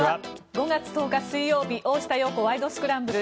５月１０日、水曜日「大下容子ワイド！スクランブル」。